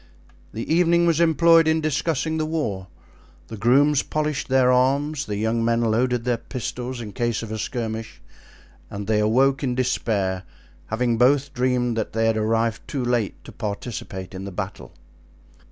The evening was employed in discussing the war; the grooms polished their arms; the young men loaded the pistols in case of a skirmish, and they awoke in despair, having both dreamed that they had arrived too late to participate in the battle.